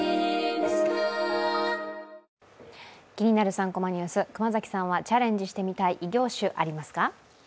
３コマニュース」、熊崎さんはチャレンジしたい異業種ありますか？